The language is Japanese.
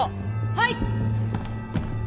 はい。